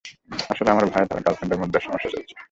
আসলে, আমার ভাই তার গ্রার্লফ্রেন্ডের মধ্যে একটু সমস্যা চলছে।